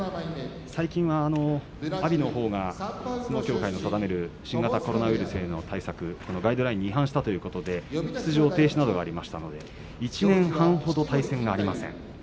最近は阿炎のほうが相撲協会の定める新型コロナウイルスの対策ガイドラインに違反したということで出場停止などがありましたので１年半ほど対戦がありません。